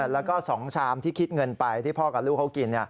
แล้วก็๒ชามที่คิดเงินไปที่พ่อกับลูกเขากิน